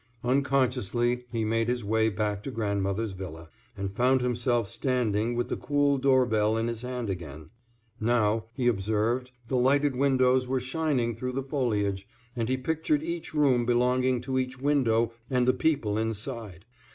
Unconsciously he made his way back to grandmother's villa, and found himself standing with the cool doorbell in his hand again. Now, he observed, the lighted windows were shining through the foliage, and he pictured each room belonging to each window and the people inside.